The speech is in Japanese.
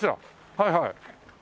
はいはい。